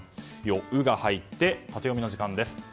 「ウ」が入ってタテヨミの時間です。